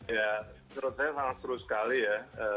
ya menurut saya sangat seru sekali ya